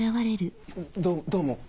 どどうも。